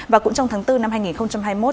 và cũng trong tháng bốn năm hai nghìn hai mươi một